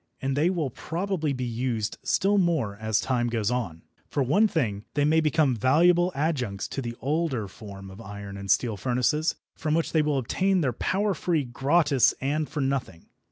And they will probably be used still more as time goes on. For one thing, they may become valuable adjuncts to the older form of iron and steel furnaces, from which they will obtain their power free, gratis and for nothing.